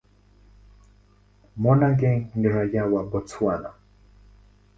Monageng ni raia wa Botswana.